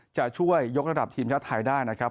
จะช่วยยกระดับทีมชาติไทยได้นะครับ